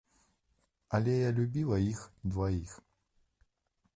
Але я любіла іх дваіх.